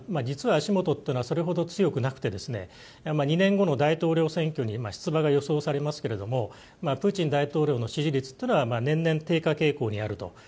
実は足元はそれほど強くなくて２年後の大統領選挙に出馬が予想されますけどプーチン大統領の支持率は年々、低下傾向にあると。